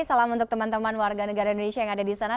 salam untuk teman teman warga negara indonesia yang ada di sana